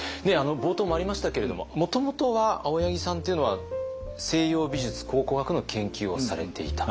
冒頭もありましたけれどももともとは青柳さんっていうのは西洋美術考古学の研究をされていた。